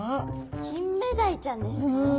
キンメダイちゃんですか？